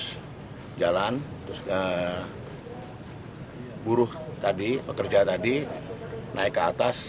terus jalan terus buruh tadi pekerja tadi naik ke atas